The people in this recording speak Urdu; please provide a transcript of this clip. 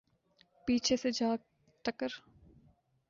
پیچھے سے جا ٹکر